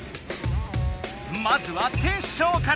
まずはテッショウから。